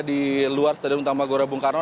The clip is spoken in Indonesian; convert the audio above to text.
di luar stadion utama gelora bung karno